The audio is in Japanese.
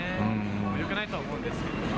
よくはないと思うんですけど。